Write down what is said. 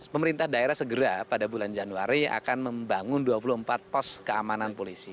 pemerintah daerah segera pada bulan januari akan membangun dua puluh empat pos keamanan polisi